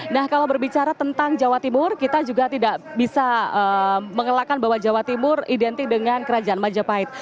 nah kalau berbicara tentang jawa timur kita juga tidak bisa mengelakkan bahwa jawa timur identik dengan kerajaan majapahit